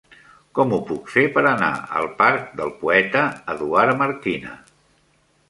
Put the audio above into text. Com ho puc fer per anar al parc del Poeta Eduard Marquina?